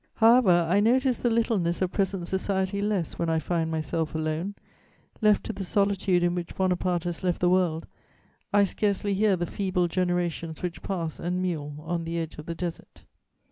"However, I notice the littleness of present society less when I find myself alone. Left to the solitude in which Bonaparte has left the world, I scarcely hear the feeble generations which pass and mewl on the edge of the desert."